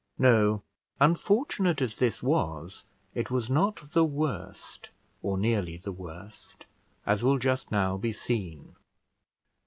No; unfortunate as this was, it was not the worst, or nearly the worst, as will just now be seen.